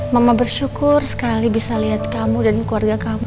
mama bersyukur sekali bisa lihat kamu dan keluarga kamu